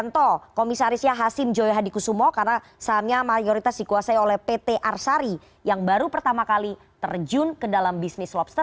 nelayannya lah yang tidak mampu